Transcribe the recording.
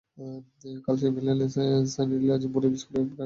কাল সেমিফাইনালে সানিডেইল আজিমপুর স্কুলকে এবং প্রয়াস সুইড রমনা শাখাকে হারিয়েছে।